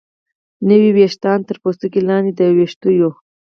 نوي ویښتان تر پوستکي لاندې د ویښتو